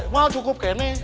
mahal cukup kene